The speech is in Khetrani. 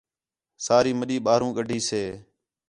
ساری مَݙّی ٻاہروں کَڈّھی سے